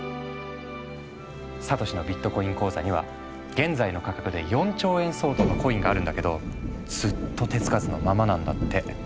サトシのビットコイン口座には現在の価格で４兆円相当のコインがあるんだけどずっと手つかずのままなんだって。